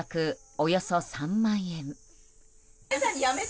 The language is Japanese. およそ３万円。